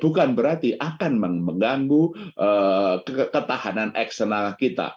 bukan berarti akan mengganggu ketahanan eksternal kita